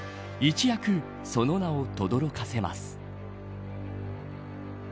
一躍、その名をとどろかせます。